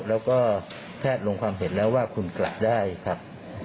แล้วก็แพทย์ลงความเห็นแล้วว่าคุณกลับได้ครับ